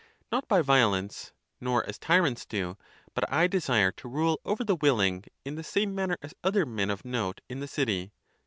Not by violence, nor as tyrants do; but I desire to rule over the willing, in the same manner as other men of note in the city.